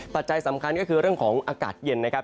ปัจจัยสำคัญก็คือเรื่องของอากาศเย็นนะครับ